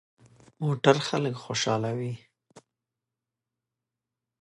موټر خلک خوشحالوي.